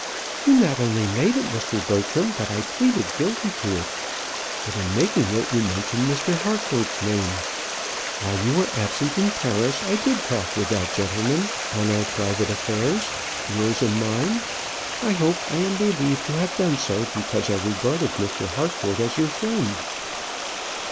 "You not only made it, Mr. Bertram, but I pleaded guilty to it. But in making it you mentioned Mr. Harcourt's name. While you were absent in Paris, I did talk with that gentleman on our private affairs, yours and mine. I hope I am believed to have done so because I regarded Mr. Harcourt as your friend?"